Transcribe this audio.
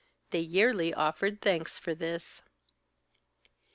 They yearly offered thanks for this.